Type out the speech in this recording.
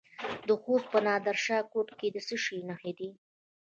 د خوست په نادر شاه کوټ کې د څه شي نښې دي؟